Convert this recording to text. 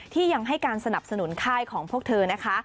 ที่ยังให้การสนับสนุนค่ายของพวกเธอนะคะ